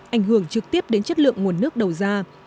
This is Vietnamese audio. ảnh hưởng trực tiếp đến chất lượng nguồn nước đầu ra